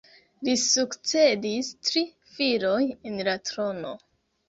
Li sukcedis tri filoj en la trono.